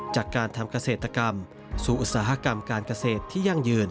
จากการทำเกษตรกรรมสู่อุตสาหกรรมการเกษตรที่ยั่งยืน